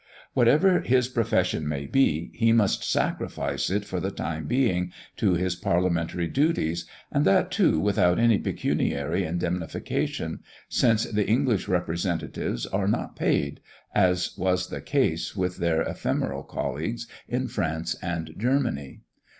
Whatever his profession may be, he must sacrifice it for the time being to his parliamentary duties, and that, too, without any pecuniary indemnification, since the English representatives are not paid, as was the case with their ephemeral colleagues in France and Germany.